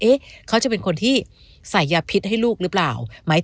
เขาจะเป็นคนที่ใส่ยาพิษให้ลูกหรือเปล่าไหม